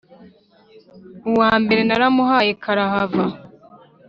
uwa mbere naramubaye karahava,